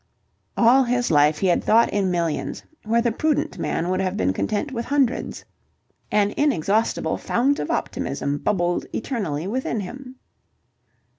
All his life he had thought in millions where the prudent man would have been content with hundreds. An inexhaustible fount of optimism bubbled eternally within him.